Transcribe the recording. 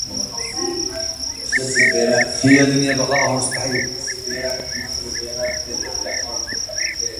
هي دنيا بقاؤها مستحيل